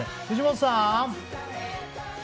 藤本さん。